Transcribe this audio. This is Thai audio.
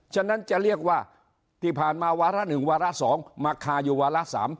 ฉะนั้นจะเรียกว่าที่ผ่านมาวาระ๑วาระ๒มาคาอยู่วาระ๓